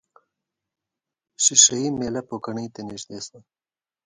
ښيښه یي میله پوکڼۍ ته نژدې شوه.